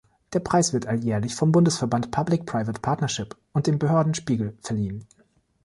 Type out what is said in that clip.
Der Preis wird alljährlich vom Bundesverband Public Private Partnership und dem Behörden Spiegel verliehen.